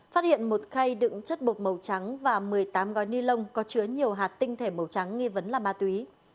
phát hiện một khay đựng chất bột màu trắng và một mươi tám gói ni lông có chứa nhiều hạt tinh thể màu trắng nghi vấn là ma túy